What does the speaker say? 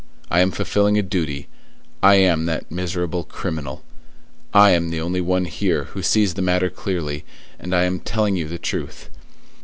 I am fulfilling a duty; I am that miserable criminal. I am the only one here who sees the matter clearly, and I am telling you the truth.